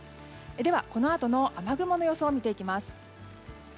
では、このあとの雨雲の様子を見ていきます。